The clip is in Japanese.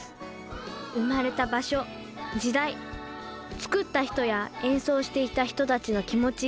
生まれた場所時代作った人や演奏していた人たちの気持ち。